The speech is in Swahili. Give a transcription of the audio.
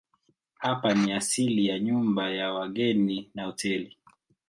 Hapa ni asili ya nyumba ya wageni na hoteli.